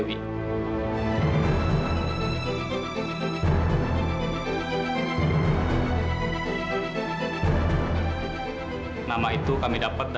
ini bukan mama